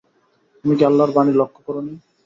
তুমি কি আল্লাহর বাণী লক্ষ্য করনি।